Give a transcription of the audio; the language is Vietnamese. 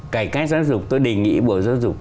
cải cách giáo dục tôi đề nghị bộ giáo dục